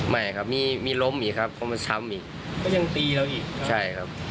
ไม่ครับมีมีล้มอีกครับเพราะมันซ้ำอีกก็ยังตีเราอีกใช่ครับ